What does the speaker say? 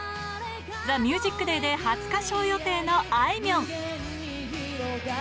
ＴＨＥＭＵＳＩＣＤＡＹで初歌唱予定のあいみょん。